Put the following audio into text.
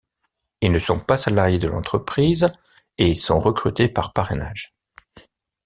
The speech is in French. Ils ne sont pas salariés de l’entreprise, et sont recrutés par parrainage.